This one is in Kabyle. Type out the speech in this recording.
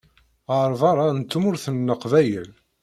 Ɣer berra n tmurt n Leqbayel.